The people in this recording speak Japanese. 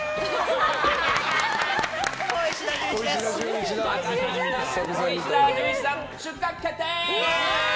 小石田純一さん、出荷決定！